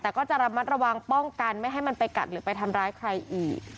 แต่ก็จะระมัดระวังป้องกันไม่ให้มันไปกัดหรือไปทำร้ายใครอีก